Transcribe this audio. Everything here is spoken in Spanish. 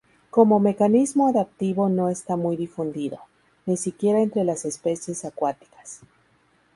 Como mecanismo adaptativo no está muy difundido, ni siquiera entre las especies acuáticas.